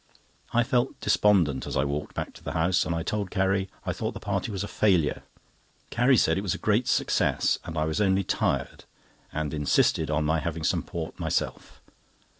I felt despondent as I went back to the house, and I told Carrie I thought the party was a failure. Carrie said it was a great success, and I was only tired, and insisted on my having some port myself.